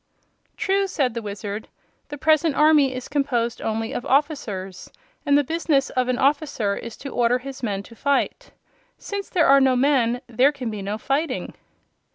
"True," said the Wizard. "The present army is composed only of officers, and the business of an officer is to order his men to fight. Since there are no men there can be no fighting."